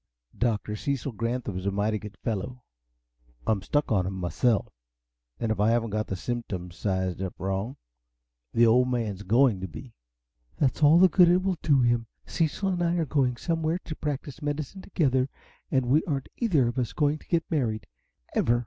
"Dr. Cecil Granthum's a mighty good fellow I'm stuck on him, myself and if I haven't got the symptoms sized up wrong, the Old Man's GOING to be." "That's all the good it will do him. Cecil and I are going somewhere and practice medicine together and we aren't either of us going to get married, ever!"